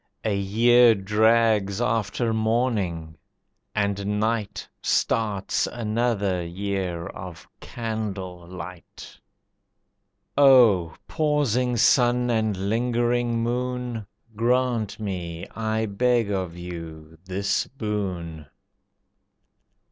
A year drags after morning, and night Starts another year of candle light. O Pausing Sun and Lingering Moon! Grant me, I beg of you, this boon.